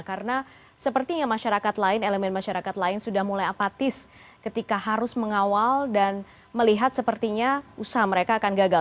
karena sepertinya masyarakat lain elemen masyarakat lain sudah mulai apatis ketika harus mengawal dan melihat sepertinya usaha mereka akan gagal